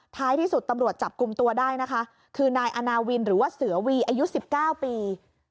ท้ายที่สุดตำรวจจับกลุ่มตัวได้นะคะคือนายอาณาวินหรือว่าเสือวีอายุ๑๙ปี